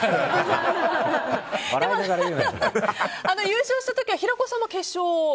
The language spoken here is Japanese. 優勝した時は平子さんも決勝で。